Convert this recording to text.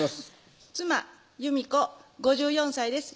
妻・由美子５４歳です